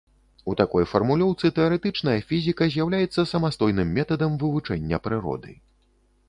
У такой фармулёўцы тэарэтычная фізіка з'яўляецца самастойным метадам вывучэння прыроды.